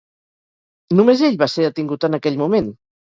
Només ell va ser detingut en aquell moment?